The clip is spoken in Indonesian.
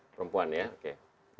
perempuan ya oke